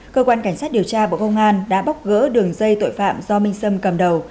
cơ quan cảnh sát điều tra bộ công an đã bóc gỡ đường dây tội phạm do minh sâm cầm đầu